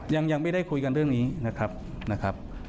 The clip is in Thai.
ยังไม่ได้คุยกันเรื่องนี้นะครับ